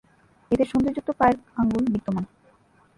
এদের সন্ধি যুক্ত পায়ের আঙুল বিদ্যমান।